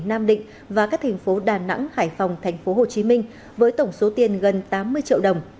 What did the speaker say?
nam định và các thành phố đà nẵng hải phòng thành phố hồ chí minh với tổng số tiền gần tám mươi triệu đồng